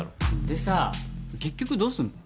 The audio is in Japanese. でさ結局どうすんの？